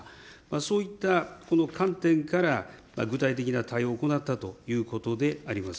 そういったこの観点から、具体的な対応を行ったということであります。